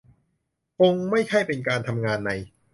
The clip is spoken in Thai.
คงไม่ใช่เป็นการทำงานใน